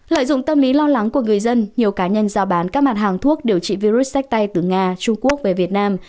lợi dụng tâm lý lo lắng của người dân nhiều cá nhân giao bán các mặt hàng thuốc điều trị virus sách tay từ nga trung quốc về việt nam